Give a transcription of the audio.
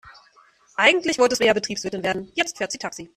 Eigentlich wollte Svea Betriebswirtin werden, jetzt fährt sie Taxi.